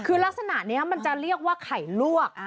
คือลักษณะนี้มันจะเรียกว่าไข่ลวก